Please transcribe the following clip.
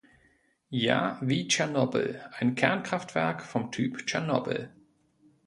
Ja, wie Tschernobyl ein Kernkraftwerk vom Typ Tschernobyl.